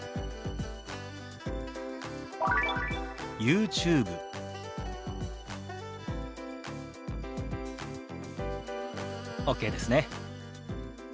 「ＹｏｕＴｕｂｅ」。ＯＫですね。